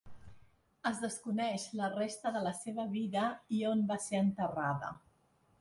Es desconeix la resta de la seva vida i on va ser enterrada.